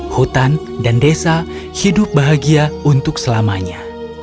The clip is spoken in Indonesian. hutan dan desa hidup bahagia untuk selamanya